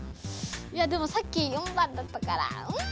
いやでもさっき４番だったからうん！